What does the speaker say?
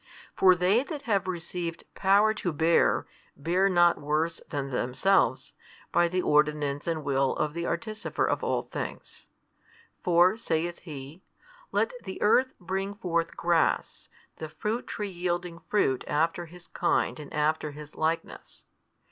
For they that have received power to bear, bear not worse than themselves, by the ordinance and will of the Artificer of all things. For, saith He, let the earth bring forth grass, the fruit tree yielding fruit after his kind and after his likeness.